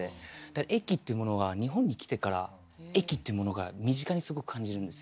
だから駅っていうものが日本に来てから駅っていうものが身近にすごく感じるんですよね。